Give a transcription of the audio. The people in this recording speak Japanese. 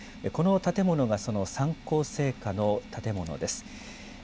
この建物がその三幸製菓の建物です。